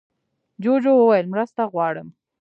جوجو وویل مرسته غواړم.